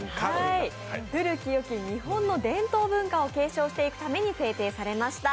古きよき日本の伝統文化を継承していくために制定されました。